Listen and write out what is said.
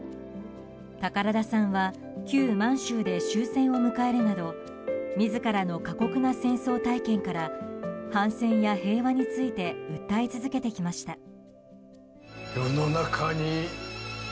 宝田さんは旧満州で終戦を迎えるなど自らの過酷な戦争体験から反戦や平和について訴え続けてきました。